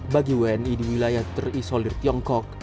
bagi wni di wilayah terisolir tiongkok